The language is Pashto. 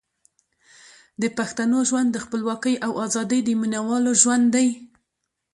د پښتنو ژوند د خپلواکۍ او ازادۍ د مینوالو ژوند دی.